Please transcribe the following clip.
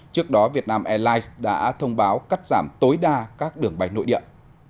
trước đó việt nam airlines đã thông báo cắt giảm tối đa các đường bay nội địa